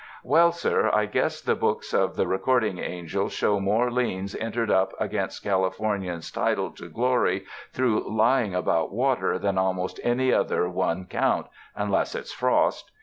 "Well, sir, I guess the books of the Recording Angel show more liens entered up against Cali fornians' title to glory through lying about water than almost any other one count, unless it's frost.